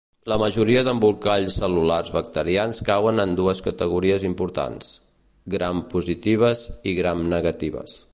La majoria d'embolcalls cel·lulars bacterians cauen en dues categories importants: grampositives i gramnegatives.